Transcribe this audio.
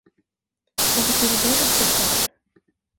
Vad betyder det, doktor Karl?